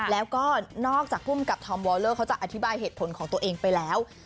แล้วก็นอกจากภูมิกับทอมวอลเลอร์เขาจะอธิบายเหตุผลของตัวเองไปแล้ว